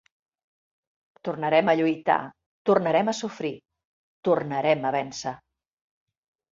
Tornarem a lluitar, tornarem a sofrir, tornarem a vèncer.